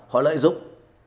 họ lợi giúp